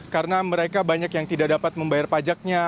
karena mereka banyak yang tidak dapat membayar pajaknya